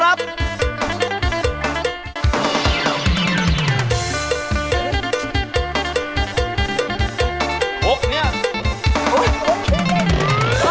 สวัสดีค่ะ